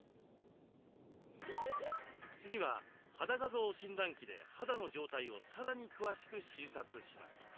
次は肌画像診断器で肌の状態をさらに詳しく診察します。